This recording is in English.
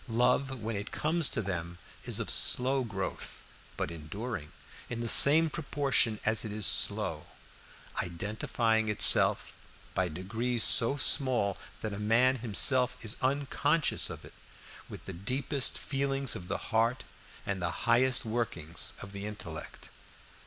Love, when it comes to them, is of slow growth, but enduring in the same proportion as it is slow; identifying itself, by degrees so small that a man himself is unconscious of it, with the deepest feelings of the heart and the highest workings of the intellect.